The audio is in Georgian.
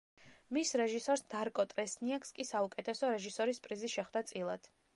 მის რეჟისორს დარკო ტრესნიაკს კი საუკეთესო რეჟისორის პრიზი შეხვდა წილად.